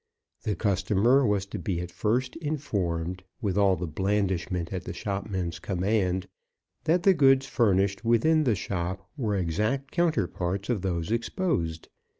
The customer was to be at first informed, with all the blandishment at the shopman's command, that the goods furnished within the shop were exact counterparts of those exposed.